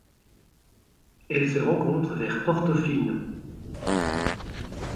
Elle se rencontre vers Portofino.